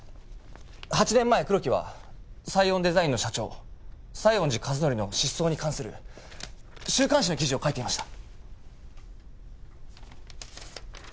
８年前黒木はサイオンデザインの社長西園寺和則の失踪に関する週刊誌の記事を書いていました。